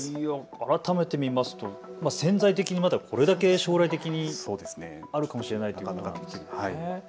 改めて見ますと潜在的にまだこれだけ将来的にあるかもしれないということなんですね。